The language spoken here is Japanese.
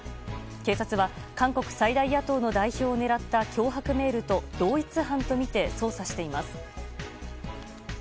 警察は韓国最大野党の代表を狙った脅迫メールと同一犯とみて捜査しています。